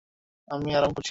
আমি আরাম করছি।